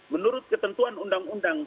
menurut ketentuan undang undang